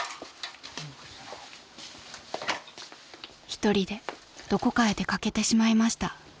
［一人でどこかへ出掛けてしまいました］